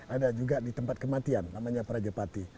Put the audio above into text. ada juga di tempat kematian namanya prajepati